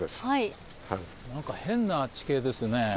なんか変な地形ですね。